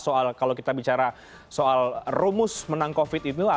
soal rumus menang covid ini